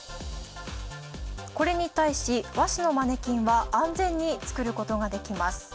これに対し、和紙のマネキンは安全に作ることができます。